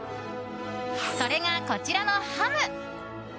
それが、こちらのハム。